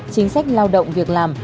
chính sách lao động việc làm